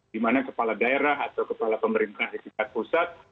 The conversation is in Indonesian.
dimana kepala daerah atau kepala pemerintah di sekitar pusat